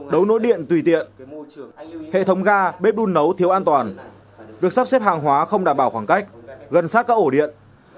đấu nối điện tùy tiện hệ thống ga bếp đun nấu thiếu an toàn việc sắp xếp hàng hóa không đảm bảo khoảng cách gần sát các ổ điện